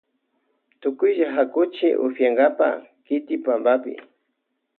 Tukuylla hakuchi upiyankapa kiki pampapi.